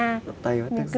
nóng tay quá